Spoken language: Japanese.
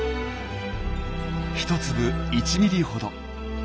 １粒１ｍｍほど。